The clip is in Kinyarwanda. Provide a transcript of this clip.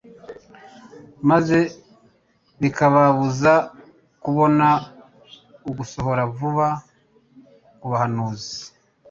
maze bikababuza kubona ugusohora vuba k'ubuhanuzi